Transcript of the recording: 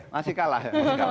masih kalah ya